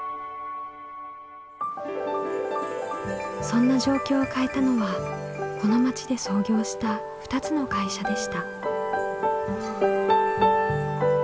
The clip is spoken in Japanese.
そんな状況を変えたのはこの町で創業した２つの会社でした。